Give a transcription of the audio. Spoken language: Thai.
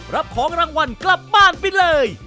รับของรางวัลกลับบ้านไปเลย